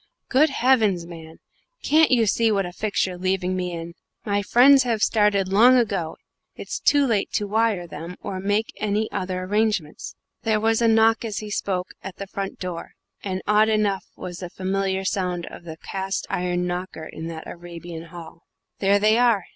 "Good heavens, man, can't you see what a fix you're leaving me in? My friends have started long ago it's too late to wire to them, or make any other arrangements." There was a knock, as he spoke, at the front door; and odd enough was the familiar sound of the cast iron knocker in that Arabian hall. "There they are!"